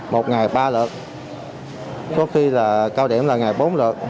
một ngày ba lượt có khi là cao điểm là ngày bốn lượt